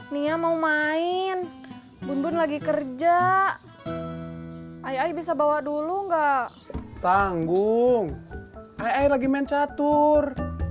nia mau main bumbun lagi kerja ayah bisa bawa dulu enggak tanggung ayah lagi main catur